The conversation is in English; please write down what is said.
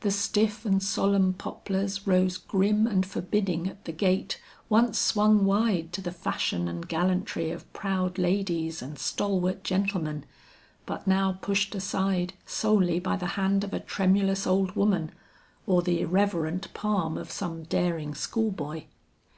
The stiff and solemn poplars rose grim and forbidding at the gate once swung wide to the fashion and gallantry of proud ladies and stalwart gentlemen, but now pushed aside solely by the hand of a tremulous old woman, or the irreverent palm of some daring school boy.